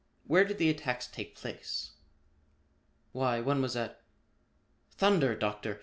Where did the attacks take place?" "Why, one was at Thunder, Doctor!